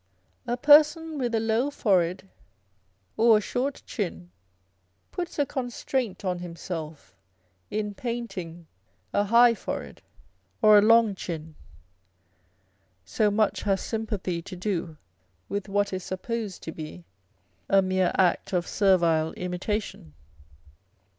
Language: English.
A person with a low forehead or a short chin puts a constraint on himself in painting a high forehead or a long chin. So much has sympathy to do with what is supposed to be a mere act of servile imitation